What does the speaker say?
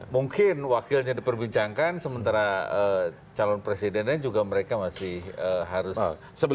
mungkin wakilnya diperbincangkan sementara calon presidennya juga mereka masih harus